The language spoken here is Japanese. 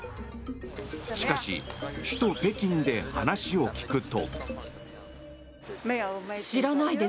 しかし、首都・北京で話を聞くと。